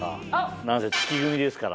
何せ月組ですから。